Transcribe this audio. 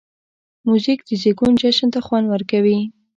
موزیک د زېږون جشن ته خوند ورکوي.